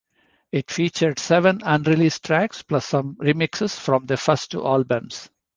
It featured seven unreleased tracks plus some remixes from the first two albums.